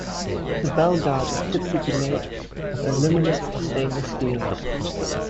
The bell guard is typically made of aluminium or stainless steel.